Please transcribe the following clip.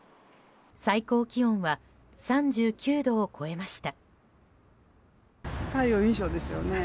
最高気温は３９度を超えました。